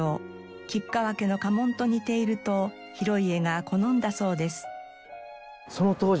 吉川家の家紋と似ていると広家が好んだそうです。